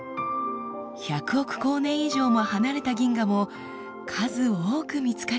１００億光年以上も離れた銀河も数多く見つかりました。